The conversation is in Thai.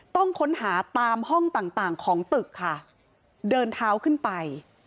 ต้องค้นหาตามห้องต่างต่างของตึกค่ะเดินเท้าขึ้นไป